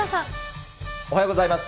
おはようございます。